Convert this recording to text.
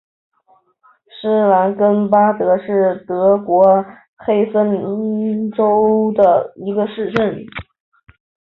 施兰根巴德是德国黑森州的一个市镇。